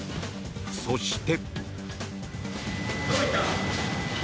そして。